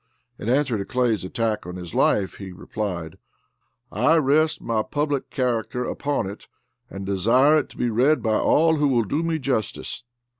In answer to Clay's attack on his life he replied: "I rest my public character upon it, and desire it to be read by all who will do me justice."